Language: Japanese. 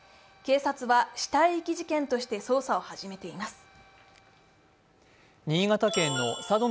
警察は、死体遺棄事件として捜査を始めています。